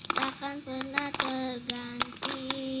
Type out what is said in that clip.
takkan pernah terganti